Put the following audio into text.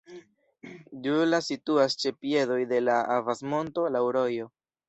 Djula situas ĉe piedoj de la Avas-monto, laŭ rojo.